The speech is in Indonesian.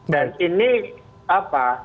dan ini apa